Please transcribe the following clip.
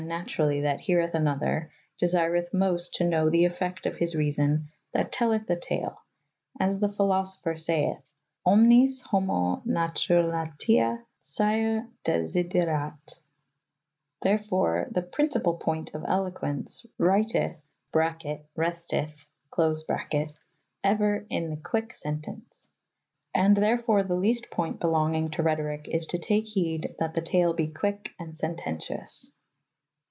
naturally that hereth a nother, desyreth moste to know the effecte of his reason that tellyth the tale, as the philosopher seith {pmms homo naturalit,?^ scire desiderat) . Therfor the pryncypall poynt of eloquens reityth [restyth] euer in the quycke sentence. And therfor the lest poynt belongyng to Rethorike is to" take hede that the tale be quycke & sentencious.